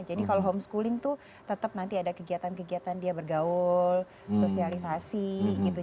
jadi kalau homeschooling tuh tetap nanti ada kegiatan kegiatan dia bergaul sosialisasi gitu